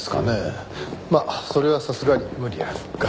まあそれはさすがに無理あるか。